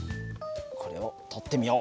これを取ってみよう。